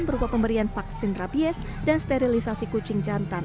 berupa pemberian vaksin rabies dan sterilisasi kucing jantan